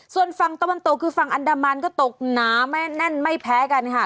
ส่วนฝั่งตะวันตกคือฝั่งอันดามันก็ตกหนาแน่นไม่แพ้กันค่ะ